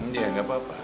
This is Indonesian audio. ya gak apa apa